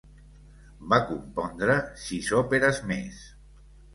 Va compondre sis òperes més.